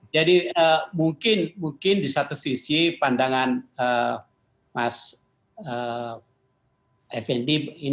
jadi mungkin di satu sisi pandangan mas evavendi ini memang mungkin